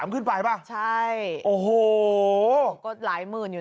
กะลาวบอกว่าก่อนเกิดเหตุ